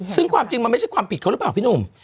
ซึ่งความจริงมันไม่ใช่ความผิดเขาหรือเปล่าพี่หนุ่ม